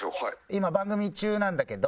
今番組中なんだけど。